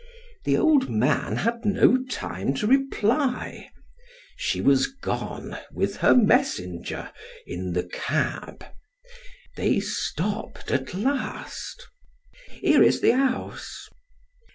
The old man had no time to reply. She was gone, with her messenger, in the cab. They stopped at last. "Here is the house."